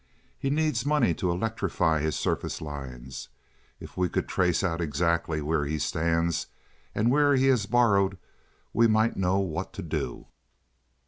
He needs money to electrify his surface lines. If we could trace out exactly where he stands, and where he has borrowed, we might know what to do."